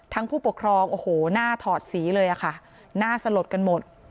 ผู้ปกครองโอ้โหหน้าถอดสีเลยค่ะหน้าสลดกันหมด